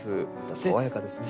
爽やかですね。